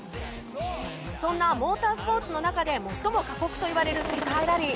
そんなモータースポーツの中で最も過酷といわれる世界ラリー。